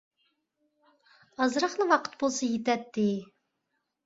ئازراقلا ۋاقىت بولسا يېتەتتى.